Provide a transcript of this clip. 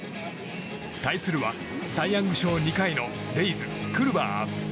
対するはサイ・ヤング賞２回のレイズ、クルバー。